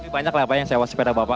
banyak lah apa yang sewa sepeda pak